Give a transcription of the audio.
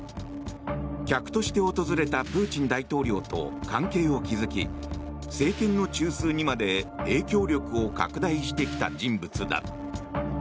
客として訪れたプーチン大統領と関係を築き政権の中枢にまで影響力を拡大してきた人物だ。